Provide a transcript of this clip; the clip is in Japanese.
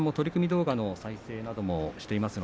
動画の再生などもしています。